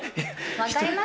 分かります？